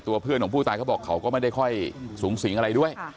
เพื่อนของผู้ตายเขาบอกเขาก็ไม่ได้ค่อยสูงสิงอะไรด้วย